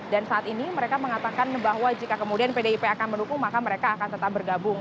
saat ini mereka mengatakan bahwa jika kemudian pdip akan mendukung maka mereka akan tetap bergabung